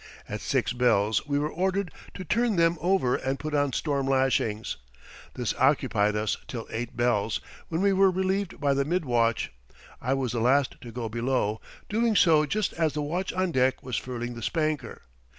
At six bells we were ordered to turn them over and put on storm lashings. This occupied us till eight bells, when we were relieved by the mid watch. I was the last to go below, doing so just as the watch on deck was furling the spanker.